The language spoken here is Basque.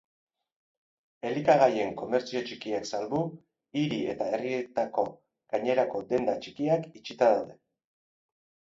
Elikagaien komertzio txikiak salbu, hiri eta herrietako gainerako denda txikiak itxita daude.